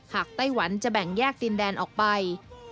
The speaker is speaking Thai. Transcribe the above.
ไต้หวันจะแบ่งแยกดินแดนออกไป